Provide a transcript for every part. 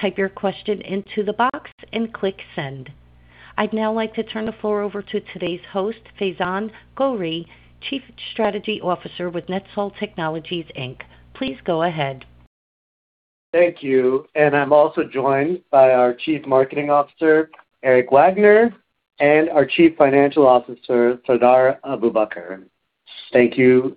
Type your question into the box and click send. I'd now like to turn the floor over to today's host, Faizaan Ghauri, Chief Strategy Officer with NetSol Technologies, Inc. Please go ahead. Thank you. I'm also joined by our Chief Marketing Officer, Erik Wagner, and our Chief Financial Officer, Sardar Abubakr. Thank you.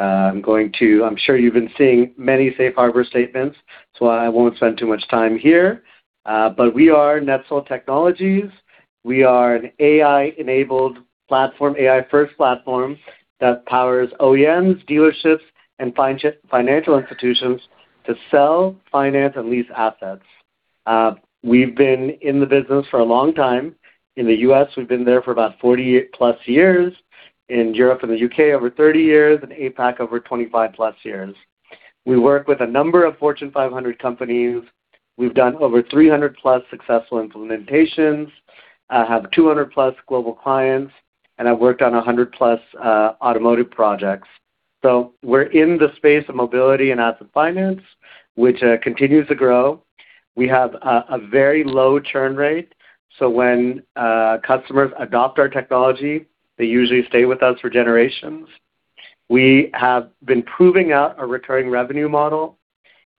I'm sure you've been seeing many safe harbor statements, so I won't spend too much time here. We are NetSol Technologies. We are an AI-enabled platform, AI-first platform that powers OEMs, dealerships, and financial institutions to sell, finance, and lease assets. We've been in the business for a long time. In the U.S., we've been there for about 40+ years. In Europe and the U.K., over 30 years, and APAC over 25+ years. We work with a number of Fortune 500 companies. We've done over 300+ successful implementations, have 200+ global clients, and have worked on 100+, uh, automotive projects. We're in the space of mobility and asset finance, which continues to grow. We have a very low churn rate, so when customers adopt our technology, they usually stay with us for generations. We have been proving out a recurring revenue model,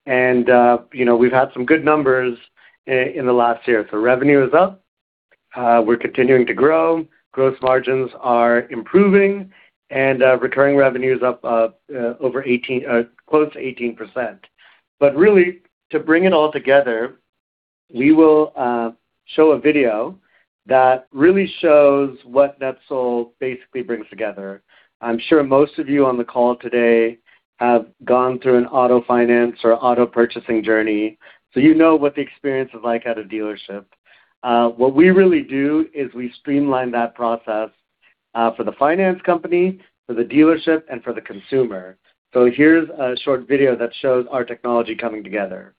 and you know, we've had some good numbers in the last year. Revenue is up, we're continuing to grow, gross margins are improving, and recurring revenue is up close to 18%. Really, to bring it all together, we will show a video that really shows what NetSol basically brings together. I'm sure most of you on the call today have gone through an auto finance or auto purchasing journey, so you know what the experience is like at a dealership. What we really do is we streamline that process for the finance company, for the dealership, and for the consumer. Here's a short video that shows our technology coming together.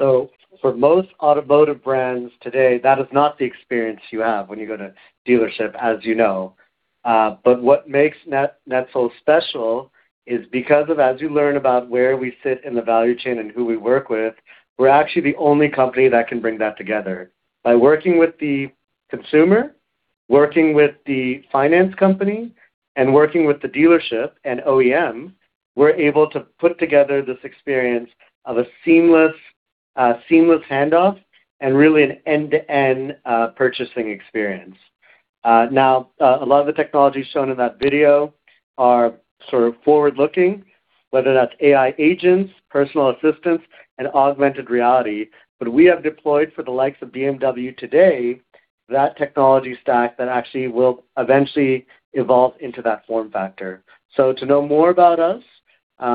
For most automotive brands today, that is not the experience you have when you go to a dealership, as you know. What makes NetSol special is because of as you learn about where we sit in the value chain and who we work with, we're actually the only company that can bring that together. By working with the consumer, working with the finance company and working with the dealership and OEM, we're able to put together this experience of a seamless handoff and really an end-to-end purchasing experience. Now, a lot of the technologies shown in that video are sort of forward-looking, whether that's AI agents, personal assistants, and augmented reality. We have deployed for the likes of BMW today that technology stack that actually will eventually evolve into that form factor. To know more about us, we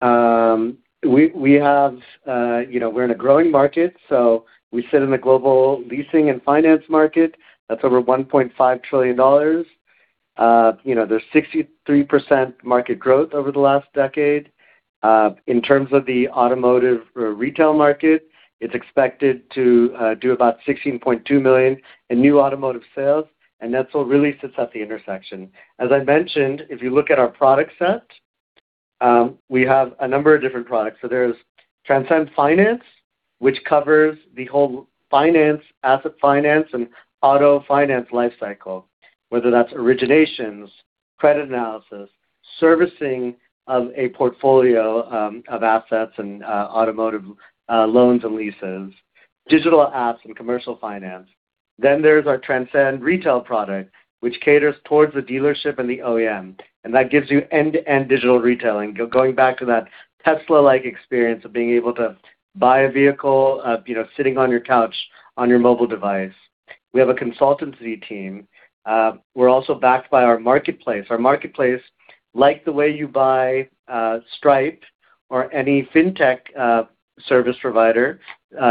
have you know, we're in a growing market, so we sit in the global leasing and finance market. That's over $1.5 trillion. You know, there's 63% market growth over the last decade. In terms of the automotive retail market, it's expected to do about 16.2 million in new automotive sales, and that's what really sits at the intersection. As I mentioned, if you look at our product set, we have a number of different products. There's Transcend Finance, which covers the whole finance, asset finance, and auto finance life cycle, whether that's originations, credit analysis, servicing of a portfolio of assets and automotive loans and leases, digital apps, and commercial finance. Our Transcend Retail product caters towards the dealership and the OEM, and that gives you end-to-end digital retailing. Going back to that Tesla-like experience of being able to buy a vehicle, you know, sitting on your couch on your mobile device. We have a consultancy team. We're also backed by our marketplace. Our marketplace, like the way you buy Stripe or any fintech service provider,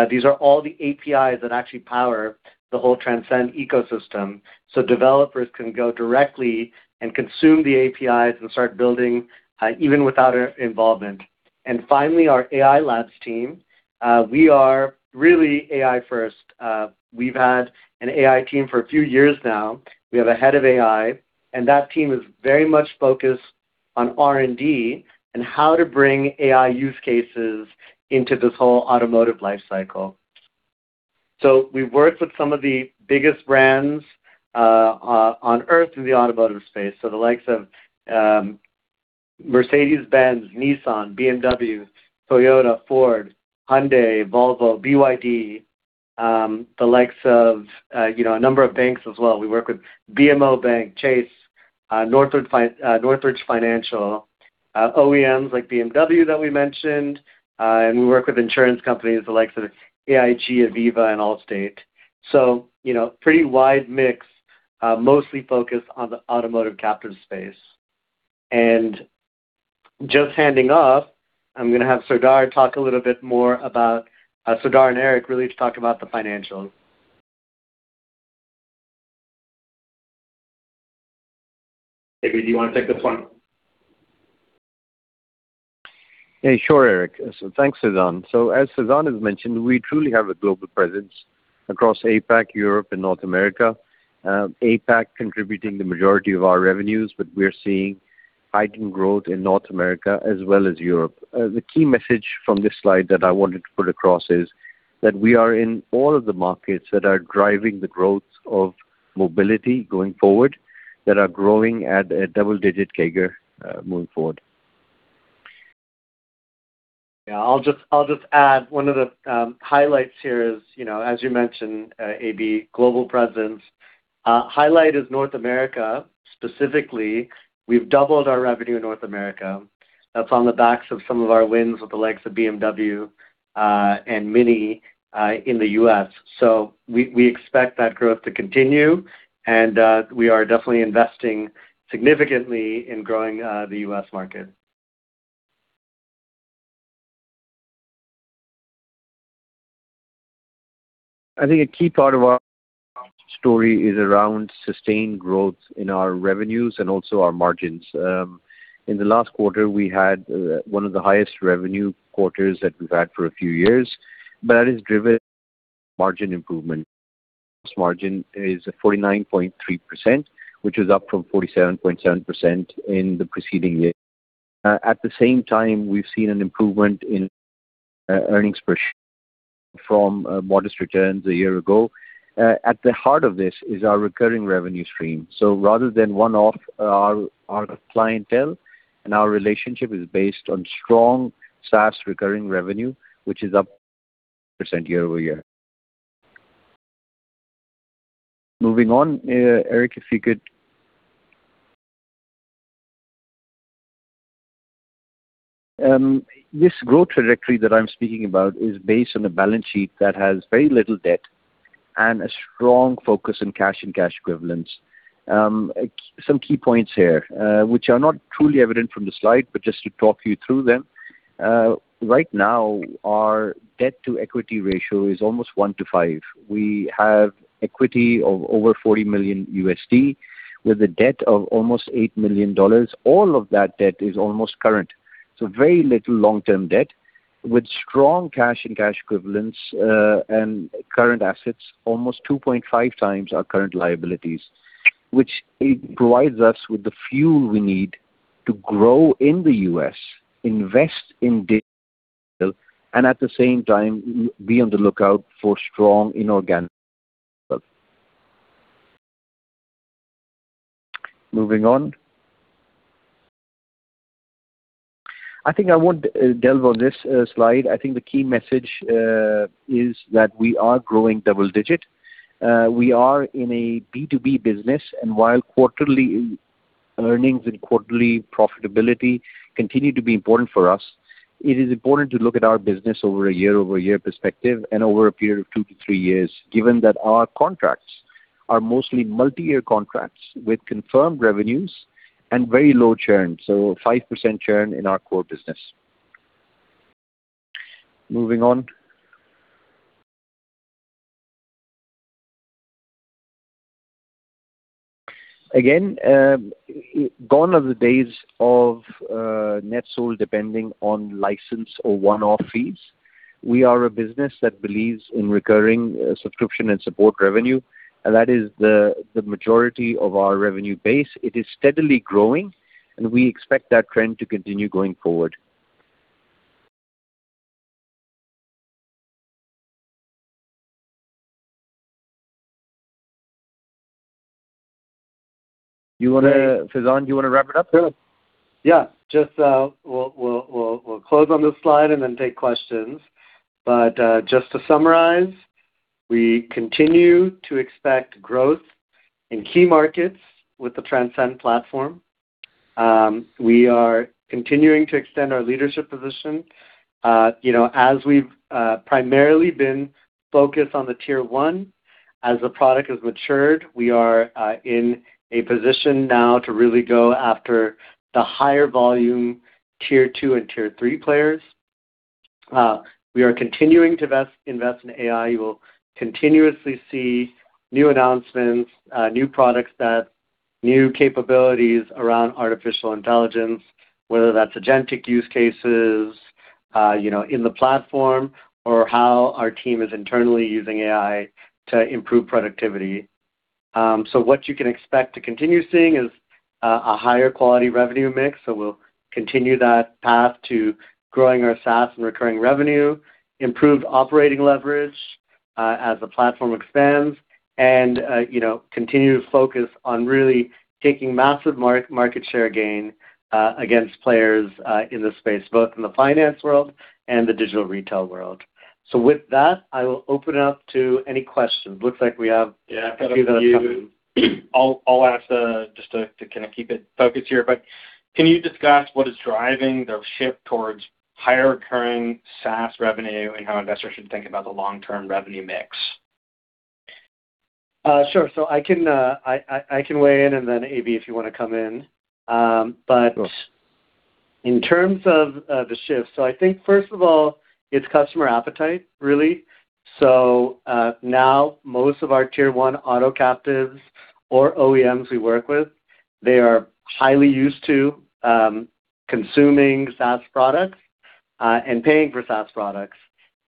these are all the APIs that actually power the whole Transcend ecosystem. Developers can go directly and consume the APIs and start building even without our involvement. Finally, our AI labs team. We are really AI first. We've had an AI team for a few years now. We have a head of AI, and that team is very much focused on R&D and how to bring AI use cases into this whole automotive life cycle. We've worked with some of the biggest brands on Earth in the automotive space. The likes of Mercedes-Benz, Nissan, BMW, Toyota, Ford, Hyundai, Volvo, BYD, the likes of, you know, a number of banks as well. We work with BMO Bank, Chase, Northridge Finance, OEMs like BMW that we mentioned, and we work with insurance companies the likes of AIG, Aviva, and Allstate. You know, pretty wide mix, mostly focused on the automotive captive space. Just handing off, I'm gonna have Sardar talk a little bit more about Sardar and Erik really to talk about the financials. AB, do you wanna take this one? Yeah, sure, Erik. Thanks, Faizaan. As Faizaan has mentioned, we truly have a global presence across APAC, Europe, and North America. APAC contributing the majority of our revenues, but we're seeing heightened growth in North America as well as Europe. The key message from this slide that I wanted to put across is that we are in all of the markets that are driving the growth of mobility going forward, that are growing at a double-digit CAGR, moving forward. Yeah. I'll just add one of the highlights here is, you know, as you mentioned, AB, global presence. Highlight is North America. Specifically, we've doubled our revenue in North America. That's on the backs of some of our wins with the likes of BMW and Mini in the U.S. We expect that growth to continue and we are definitely investing significantly in growing the U.S. market. I think a key part of our story is around sustained growth in our revenues and also our margins. In the last quarter, we had one of the highest revenue quarters that we've had for a few years, but that drove margin improvement. Margin is 49.3%, which is up from 47.7% in the preceding year. At the same time, we've seen an improvement in earnings per share from modest returns a year ago. At the heart of this is our recurring revenue stream. Rather than one-off, our clientele and our relationship is based on strong SaaS recurring revenue, which is up percentage year-over-year. Moving on, Erik, if you could... This growth trajectory that I'm speaking about is based on a balance sheet that has very little debt and a strong focus in cash and cash equivalents. Some key points here, which are not truly evident from the slide, but just to talk you through them. Right now, our debt-to-equity ratio is almost 1-5. We have equity of over $40 million with a debt of almost $8 million. All of that debt is almost current. Very little long-term debt with strong cash and cash equivalents, and current assets almost 2.5 times our current liabilities, which it provides us with the fuel we need to grow in the US, invest in digital and at the same time, be on the lookout for strong inorganic. Moving on. I think I won't delve on this slide. I think the key message is that we are growing double-digit. We are in a B2B business, and while quarterly earnings and quarterly profitability continue to be important for us, it is important to look at our business over a year-over-year perspective and over a period of two to three years, given that our contracts are mostly multi-year contracts with confirmed revenues and very low churn, so 5% churn in our core business. Moving on. Again, gone are the days of NetSol depending on license or one-off fees. We are a business that believes in recurring subscription and support revenue, and that is the majority of our revenue base. It is steadily growing, and we expect that trend to continue going forward. Faizaan, you wanna wrap it up? Sure. Yeah. Just, we'll close on this slide and then take questions. Just to summarize, we continue to expect growth in key markets with the Transcend platform. We are continuing to extend our leadership position. You know, as we've primarily been focused on the tier one, as the product has matured, we are in a position now to really go after the higher volume tier two and tier three players. We are continuing to invest in AI. You will continuously see new announcements, new products that new capabilities around artificial intelligence, whether that's agentic use cases, you know, in the platform or how our team is internally using AI to improve productivity. What you can expect to continue seeing is a higher quality revenue mix. We'll continue that path to growing our SaaS and recurring revenue, improve operating leverage, as the platform expands, and, you know, continue to focus on really taking massive market share gain, against players, in this space, both in the finance world and the digital retail world. With that, I will open it up to any questions. Looks like we have a few that have- Yeah. I'll ask just to kinda keep it focused here, but can you discuss what is driving the shift towards higher recurring SaaS revenue and how investors should think about the long-term revenue mix? Sure. I can weigh in and then AB, if you wanna come in. In terms of the shift, I think first of all, it's customer appetite, really. Now most of our Tier 1 auto captives or OEMs we work with, they are highly used to consuming SaaS products and paying for SaaS products.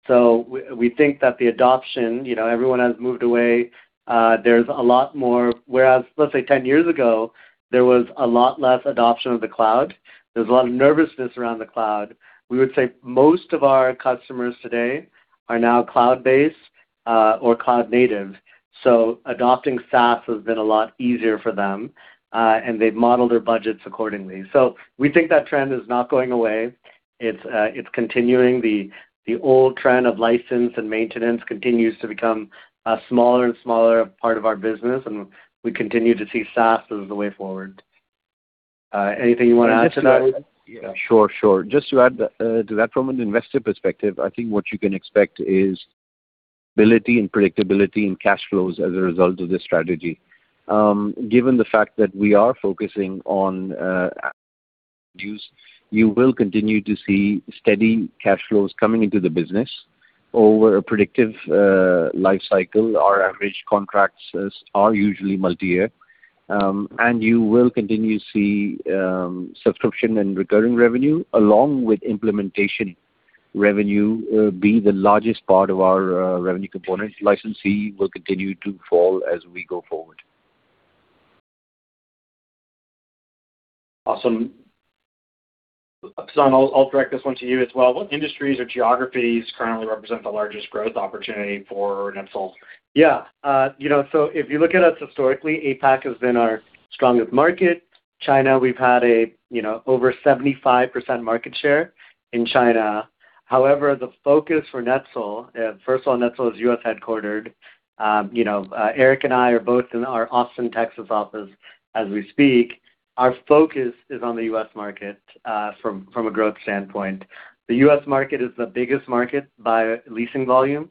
We think that the adoption, you know, everyone has moved away. There's a lot more. Whereas, let's say 10 years ago, there was a lot less adoption of the cloud. There was a lot of nervousness around the cloud. We would say most of our customers today are now cloud-based or cloud native, so adopting SaaS has been a lot easier for them and they've modeled their budgets accordingly. We think that trend is not going away. It's continuing. The old trend of license and maintenance continues to become a smaller and smaller part of our business, and we continue to see SaaS as the way forward. Anything you wanna add to that? Sure, sure. Just to add to that from an investor perspective, I think what you can expect is ability and predictability in cash flows as a result of this strategy. Given the fact that we are focusing on use, you will continue to see steady cash flows coming into the business over a predictive life cycle. Our average contracts are usually multi-year. You will continue to see subscription and recurring revenue along with implementation revenue be the largest part of our revenue component. Licensee will continue to fall as we go forward. Awesome. Faizaan, I'll direct this one to you as well. What industries or geographies currently represent the largest growth opportunity for NetSol? Yeah. You know, if you look at us historically, APAC has been our strongest market. China, we've had you know, over 75% market share in China. However, the focus for NetSol. First of all, NetSol is U.S. headquartered. You know, Eric and I are both in our Austin, Texas office as we speak. Our focus is on the U.S. market, from a growth standpoint. The U.S. market is the biggest market by leasing volume.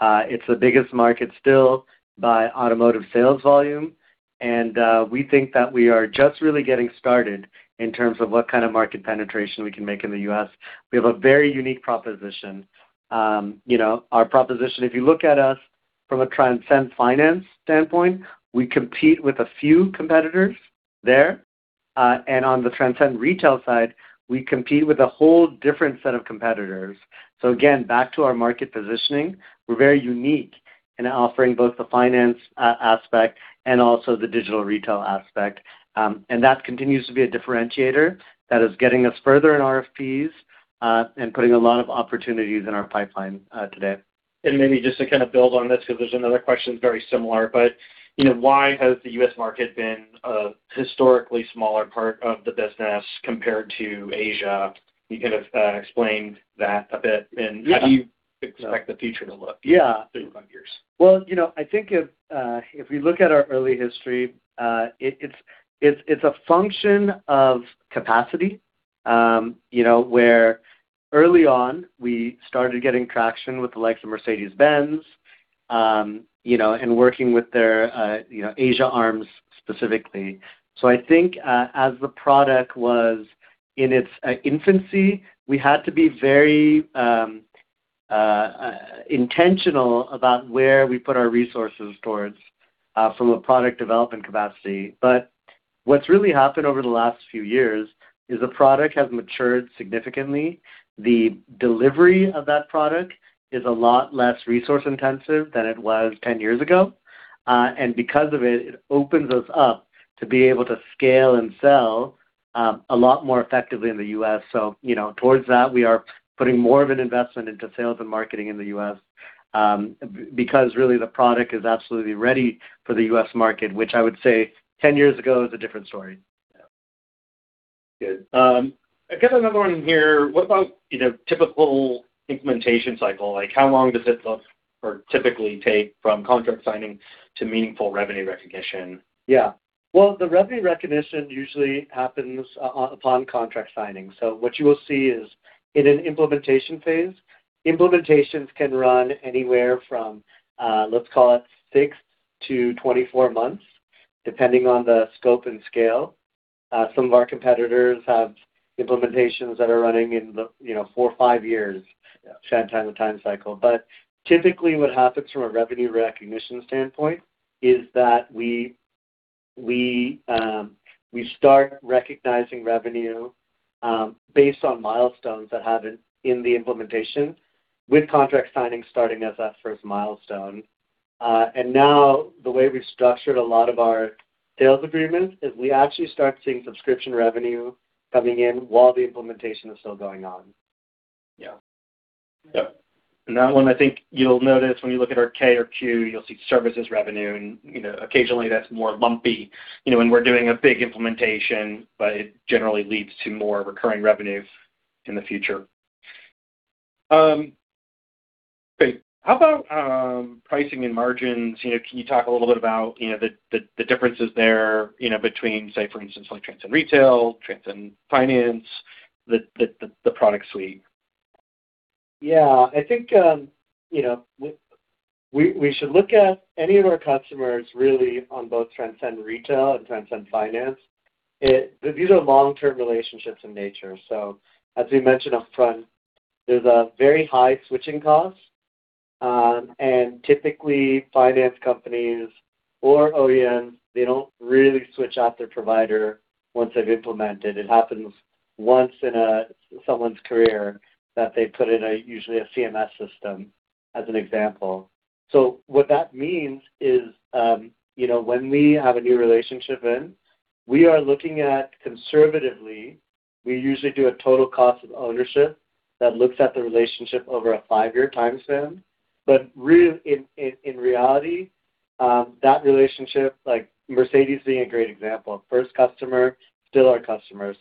It's the biggest market still by automotive sales volume, and we think that we are just really getting started in terms of what kind of market penetration we can make in the U.S. We have a very unique proposition. You know, our proposition, if you look at us from a Transcend Finance standpoint, we compete with a few competitors there. On the Transcend Retail side, we compete with a whole different set of competitors. Again, back to our market positioning, we're very unique in offering both the finance aspect and also the digital retail aspect. That continues to be a differentiator that is getting us further in RFPs and putting a lot of opportunities in our pipeline today. Maybe just to kind of build on this because there's another question very similar, but, you know, why has the U.S. market been a historically smaller part of the business compared to Asia? You kind of explained that a bit. Yeah. How do you expect the future to look? Yeah. Throughout years? Well, you know, I think if we look at our early history, it's a function of capacity, you know, where early on we started getting traction with the likes of Mercedes-Benz, you know, and working with their, you know, Asian arms specifically. I think, as the product was in its infancy, we had to be very intentional about where we put our resources towards, from a product development capacity. What's really happened over the last few years is the product has matured significantly. The delivery of that product is a lot less resource-intensive than it was 10 years ago. Because of it opens us up to be able to scale and sell a lot more effectively in the U.S. You know, towards that, we are putting more of an investment into sales and marketing in the US, because really the product is absolutely ready for the US market, which I would say 10 years ago is a different story. Yeah. Good. I've got another one here. What about, you know, typical implementation cycle? Like, how long does it look or typically take from contract signing to meaningful revenue recognition? Yeah. Well, the revenue recognition usually happens upon contract signing. What you will see is in an implementation phase, implementations can run anywhere from, let's call it 6-24 months, depending on the scope and scale. Some of our competitors have implementations that are running in the, you know, 4 or 5 years kind of time cycle. Typically what happens from a revenue recognition standpoint is that we start recognizing revenue based on milestones that happen in the implementation with contract signing starting as that first milestone. Now the way we've structured a lot of our sales agreements is we actually start seeing subscription revenue coming in while the implementation is still going on. Yeah. Yeah. That one, I think you'll notice when you look at our K or Q, you'll see services revenue, and, you know, occasionally that's more lumpy, you know, when we're doing a big implementation, but it generally leads to more recurring revenue in the future. Okay, how about pricing and margins? You know, can you talk a little bit about, you know, the differences there, you know, between, say, for instance, like Transcend Retail, Transcend Finance, the product suite? Yeah. I think, you know, we should look at any of our customers really on both Transcend Retail and Transcend Finance. These are long-term relationships in nature. As we mentioned up front, there's a very high switching cost, and typically finance companies or OEMs, they don't really switch out their provider once they've implemented. It happens once in someone's career that they put in usually a LMS system as an example. What that means is, you know, when we have a new relationship, we are looking at conservatively, we usually do a total cost of ownership that looks at the relationship over a five-year time span. In reality, that relationship, like Mercedes being a great example, first customer, still our customer.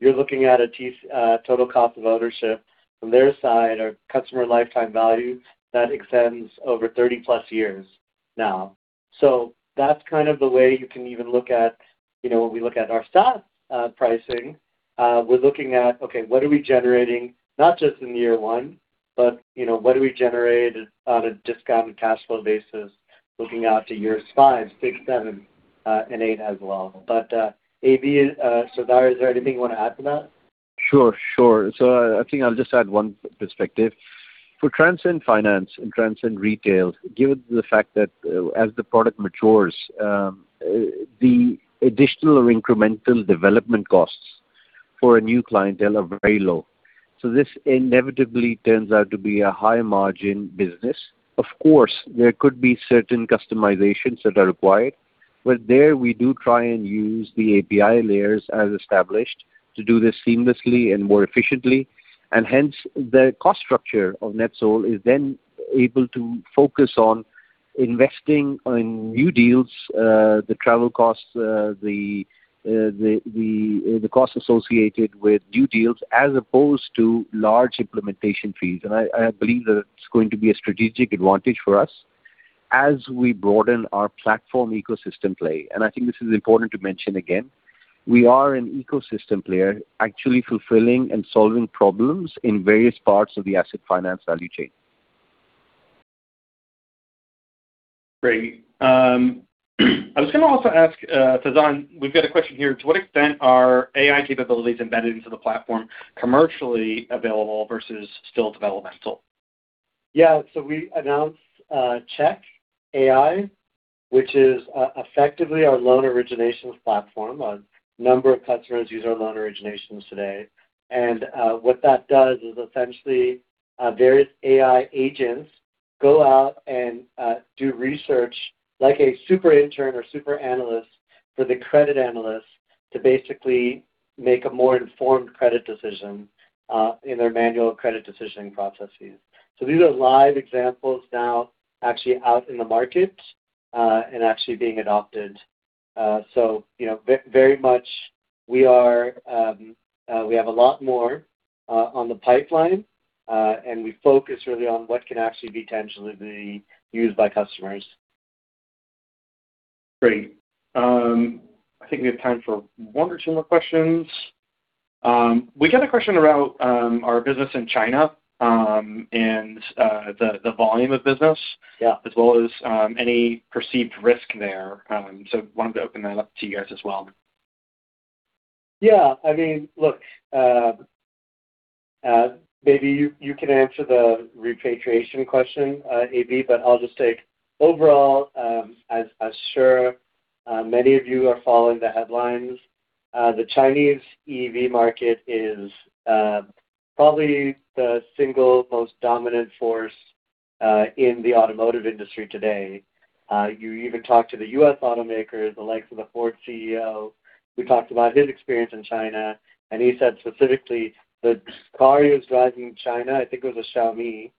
You're looking at a total cost of ownership from their side, our customer lifetime value that extends over 30+ years now. That's kind of the way you can even look at, you know, when we look at our stock pricing, we're looking at, okay, what are we generating not just in year one, but, you know, what do we generate on a discounted cash flow basis looking out to years 5, 6, 7, and 8 as well. AB, Sardar, is there anything you want to add to that? Sure, sure. I think I'll just add one perspective. For Transcend Finance and Transcend Retail, given the fact that, as the product matures, the additional or incremental development costs for a new clientele are very low. This inevitably turns out to be a high-margin business. Of course, there could be certain customizations that are required, but there we do try and use the API layers as established to do this seamlessly and more efficiently. Hence, the cost structure of NetSol is then able to focus on investing in new deals, the travel costs, the costs associated with new deals as opposed to large implementation fees. I believe that it's going to be a strategic advantage for us as we broaden our platform ecosystem play. I think this is important to mention again, we are an ecosystem player actually fulfilling and solving problems in various parts of the asset finance value chain. Great. I was gonna also ask, Faizaan Ghauri, we've got a question here. To what extent are AI capabilities embedded into the platform commercially available versus still developmental? Yeah. We announced Check AI, which is effectively our loan originations platform. A number of customers use our loan originations today. What that does is essentially various AI agents go out and do research like a super intern or super analyst for the credit analyst to basically make a more informed credit decision in their manual credit decisioning processes. These are live examples now actually out in the market, and actually being adopted. You know, very much we are, we have a lot more in the pipeline, and we focus really on what can actually be potentially used by customers. Great. I think we have time for one or two more questions. We got a question around our business in China, and the volume of business. Yeah As well as any perceived risk there. Wanted to open that up to you guys as well. Yeah, I mean, look, maybe you can answer the repatriation question, AB, but I'll just take overall, I'm sure many of you are following the headlines. The Chinese EV market is probably the single most dominant force in the automotive industry today. You even talk to the U.S. automakers, the likes of the Ford CEO. We talked about his experience in China, and he said specifically the car he was driving in China, I think it was a Xiaomi,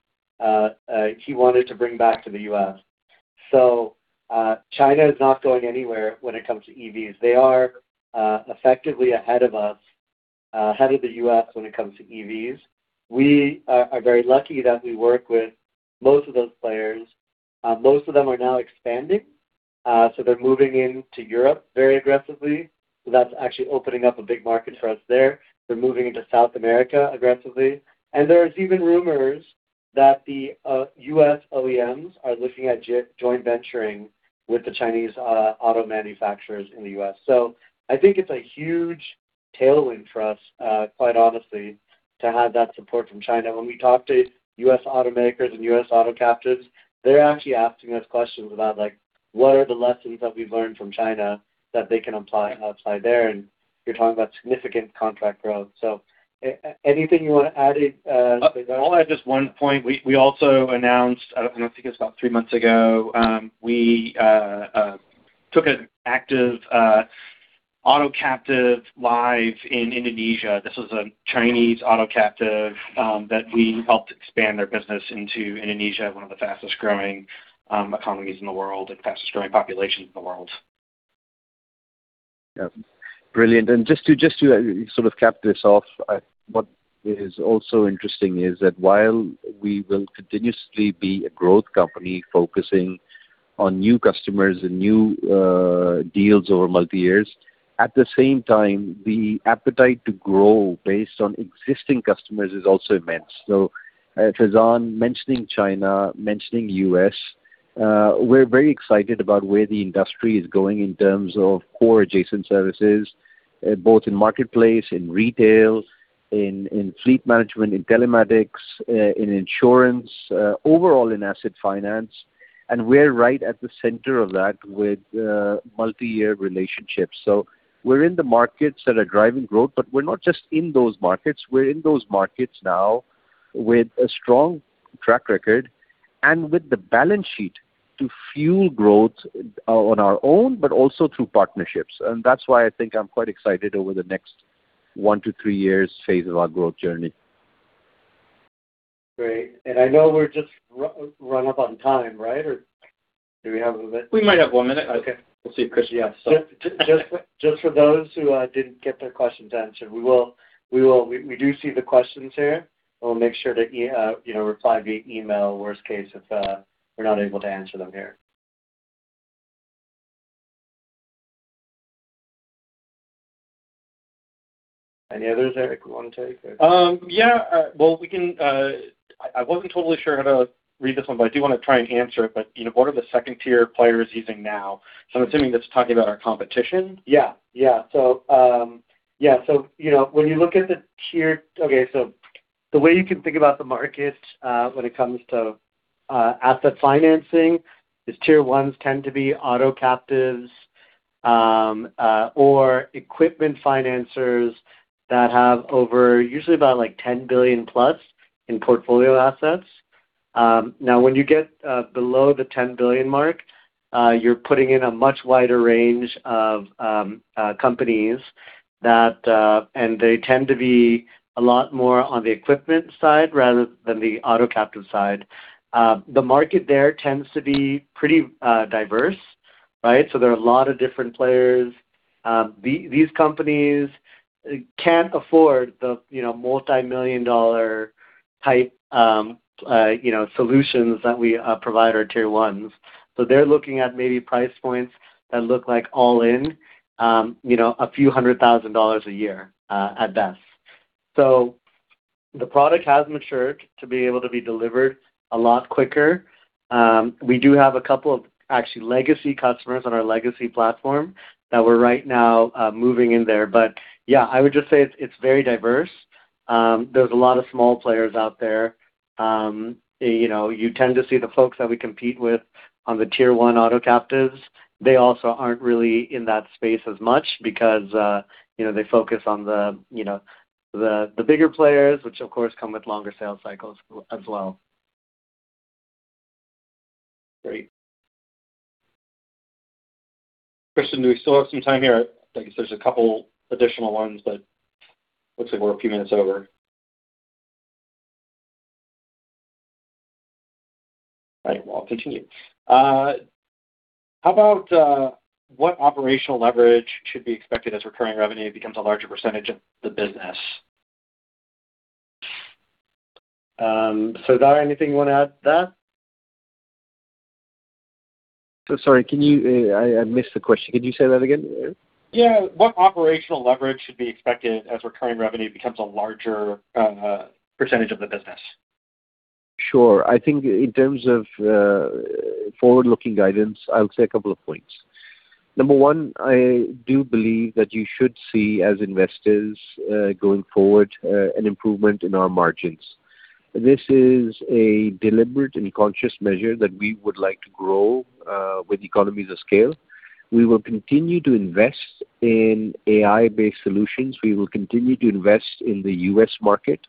he wanted to bring back to the U.S. China is not going anywhere when it comes to EVs. They are effectively ahead of us, ahead of the U.S. when it comes to EVs. We are very lucky that we work with most of those players. Most of them are now expanding, so they're moving into Europe very aggressively. That's actually opening up a big market for us there. They're moving into South America aggressively, and there's even rumors that the U.S. OEMs are looking at joint venturing with the Chinese auto manufacturers in the U.S. I think it's a huge tailwind for us, quite honestly, to have that support from China. When we talk to U.S. automakers and U.S. auto captives, they're actually asking us questions about like, what are the lessons that we've learned from China that they can apply outside there? You're talking about significant contract growth. Anything you wanna add in, Faizaan? I'll add just one point. We also announced, I don't know, I think it was about three months ago, we took an active auto captive live in Indonesia. This was a Chinese auto captive that we helped expand their business into Indonesia, one of the fastest growing economies in the world and fastest growing populations in the world. Yeah. Brilliant. Just to sort of cap this off, what is also interesting is that while we will continuously be a growth company focusing on new customers and new deals over multi-years, at the same time, the appetite to grow based on existing customers is also immense. Faizaan mentioning China, mentioning U.S., we're very excited about where the industry is going in terms of core adjacent services, both in marketplace, in retail, in fleet management, in telematics, in insurance, overall in asset finance. We're right at the center of that with multi-year relationships. We're in the markets that are driving growth, but we're not just in those markets. We're in those markets now with a strong track record and with the balance sheet to fuel growth, on our own, but also through partnerships. That's why I think I'm quite excited over the next 1-3 years phase of our growth journey. Great. I know we're just running up on time, right? Or do we have a bit? We might have one minute. Okay. Yeah, so. Just for those who didn't get their questions answered, we will. We do see the questions here. We'll make sure to, you know, reply via email worst case if we're not able to answer them here. Any others, Erik, you wanna take? Yeah. Well, I wasn't totally sure how to read this one, but I do wanna try and answer it. You know, what are the second-tier players using now? I'm assuming that's talking about our competition. You know, when you look at the market, when it comes to asset financing, tier ones tend to be auto captives or equipment financers that have over usually about, like, $10 billion+ in portfolio assets. Now when you get below the $10 billion mark, you are putting in a much wider range of companies that, and they tend to be a lot more on the equipment side rather than the auto captive side. The market there tends to be pretty diverse, right? There are a lot of different players. These companies cannot afford the, you know, $ multi-million-dollar type, you know, solutions that we provide our tier ones. They're looking at maybe price points that look like all in, you know, a few $100,000 a year, at best. The product has matured to be able to be delivered a lot quicker. We do have a couple of actually legacy customers on our legacy platform that we're right now moving in there. Yeah, I would just say it's very diverse. There's a lot of small players out there. You know, you tend to see the folks that we compete with on the tier one auto captives. They also aren't really in that space as much because, you know, they focus on the, you know, the bigger players, which of course come with longer sales cycles as well. Great. Kristen, do we still have some time here? I guess there's a couple additional ones, but looks like we're a few minutes over. Right. Well, I'll continue. How about, what operational leverage should be expected as recurring revenue becomes a larger percentage of the business? Sardar, anything you want to add to that? Sorry, I missed the question. Could you say that again? Yeah. What operational leverage should be expected as recurring revenue becomes a larger percentage of the business? Sure. I think in terms of forward-looking guidance, I would say a couple of points. Number one, I do believe that you should see as investors going forward an improvement in our margins. This is a deliberate and conscious measure that we would like to grow with economies of scale. We will continue to invest in AI-based solutions. We will continue to invest in the U.S. market.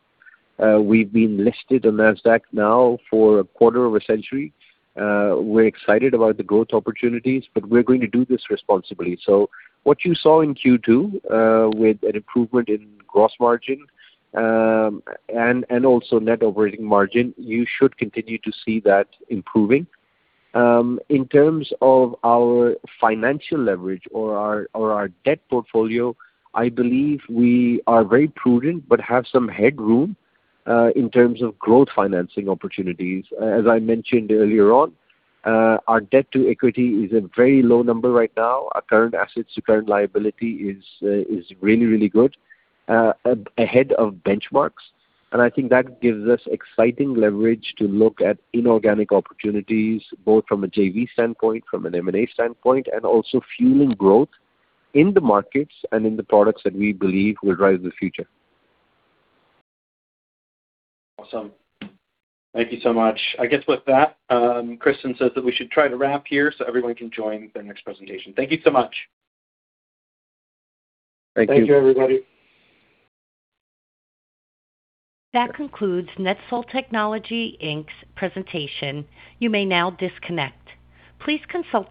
We've been listed on Nasdaq now for a quarter of a century. We're excited about the growth opportunities, but we're going to do this responsibly. What you saw in Q2 with an improvement in gross margin and also net operating margin, you should continue to see that improving. In terms of our financial leverage or our debt portfolio, I believe we are very prudent but have some headroom in terms of growth financing opportunities. As I mentioned earlier on, our debt-to-equity is a very low number right now. Our current assets to current liability is really good ahead of benchmarks. I think that gives us exciting leverage to look at inorganic opportunities, both from a JV standpoint, from an M&A standpoint, and also fueling growth in the markets and in the products that we believe will drive the future. Awesome. Thank you so much. I guess with that, Kristen says that we should try to wrap here so everyone can join the next presentation. Thank you so much. Thank you. Thank you, everybody. That concludes NetSol Technologies, Inc.'s presentation. You may now disconnect. Please consult the